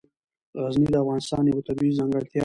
غزني د افغانستان یوه طبیعي ځانګړتیا ده.